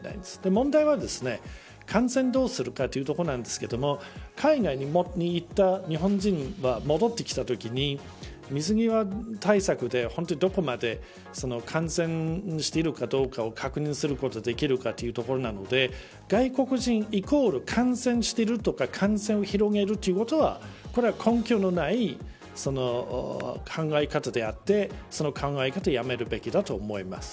問題は感染をどうするかということですが海外に行った日本人が戻ってきたときに水際対策でどこまで感染しているかどうかを確認することができるかということなので外国人イコール感染しているとか感染を広げるということはそれは根拠のない考え方であってその考え方はやめるべきだと思います。